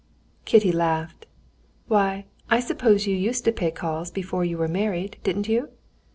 Kitty laughed. "Why, I suppose you used to pay calls before you were married, didn't you?"